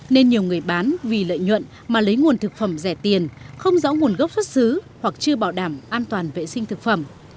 nên nhiều người bán vì lợi nhuận mà lấy nguồn thực phẩm rẻ tiền không rõ nguồn gốc xuất xứ hoặc chưa bảo đảm an toàn vệ sinh thực phẩm